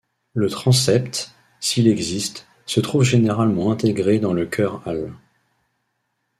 Le transept, s'il existe, se trouve généralement intégré dans le chœur-halle.